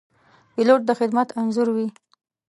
پیلوټ د خدمت انځور وي.